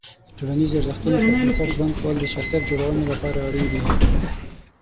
د ټولنیزو ارزښتونو پر بنسټ ژوند کول د شخصیت جوړونې لپاره اړین دي.